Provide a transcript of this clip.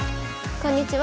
こんにちは。